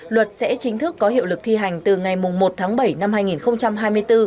luật sẽ chính thức có hiệu lực thi hành từ ngày một tháng bảy năm hai nghìn hai mươi bốn